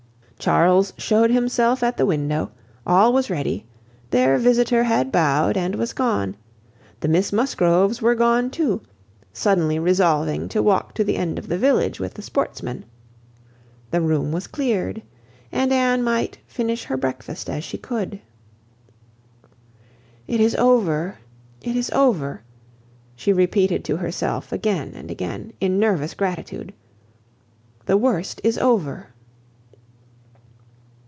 Charles shewed himself at the window, all was ready, their visitor had bowed and was gone, the Miss Musgroves were gone too, suddenly resolving to walk to the end of the village with the sportsmen: the room was cleared, and Anne might finish her breakfast as she could. "It is over! it is over!" she repeated to herself again and again, in nervous gratitude. "The worst is over!"